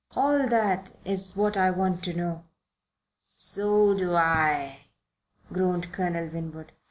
All that is what I want to know." "So do I," groaned Colonel Winwood.